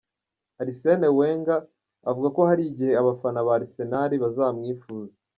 Arisene Wenga avuga ko hari igihe abafana ba Arisenali bazamwifuza